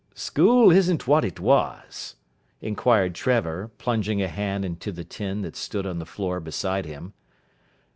"School isn't what it was?" inquired Trevor, plunging a hand into the tin that stood on the floor beside him.